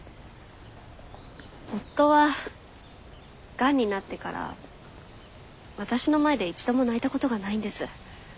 夫はがんになってから私の前で一度も泣いたことがないんです。